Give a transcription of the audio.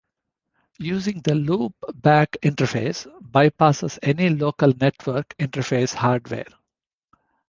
Using the loopback interface bypasses any local network interface hardware.